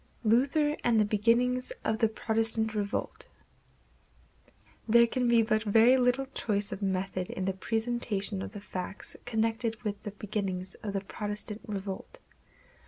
Luther and the Beginnings of the Protestant Revolt. There can be but very little choice of method in the presentation of the facts connected with the beginnings of the Protestant revolt.